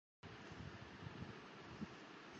அவனை எதிர்க்க யானைப் படை ஒன்றை மாயையால் தோற்று வித்தான்.